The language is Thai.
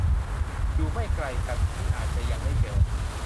อยู่ไม่ไกลกัน ที่อาจจะยังได้เจอ